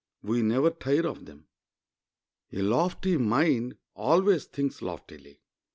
We never tire of them. A lofty mind always thinks loftily.